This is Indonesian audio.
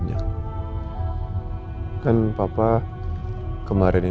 aku mau ngerti